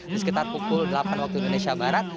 di sekitar pukul delapan waktu indonesia barat